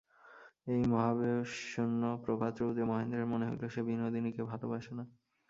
এই মহাবেশশূন্য প্রভাতরৌদ্রে মহেন্দ্রের মনে হইল, সে বিনোদিনীকে ভালোবাসে না।